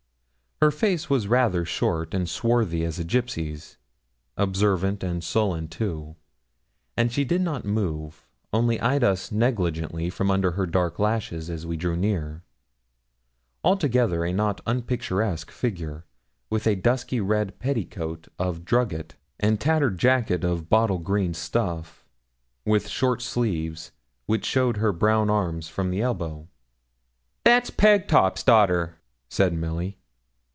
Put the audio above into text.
Her face was rather short, and swarthy as a gipsy's; observant and sullen too; and she did not move, only eyed us negligently from under her dark lashes as we drew near. Altogether a not unpicturesque figure, with a dusky, red petticoat of drugget, and tattered jacket of bottle green stuff, with short sleeves, which showed her brown arms from the elbow. 'That's Pegtop's daughter,' said Milly.